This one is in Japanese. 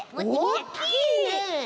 おおきいね。